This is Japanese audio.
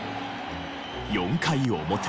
４回表。